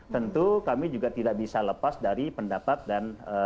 tentu kami juga tidak bisa lepas dari pendapat dan